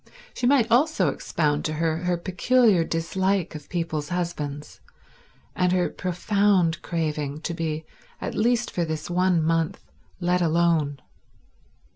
She might also expound to her her peculiar dislike of people's husbands, and her profound craving to be, at least for this one month, let alone.